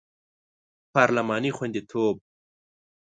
پارلماني خوندیتوب